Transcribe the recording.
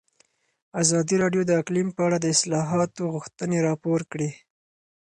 ازادي راډیو د اقلیم په اړه د اصلاحاتو غوښتنې راپور کړې.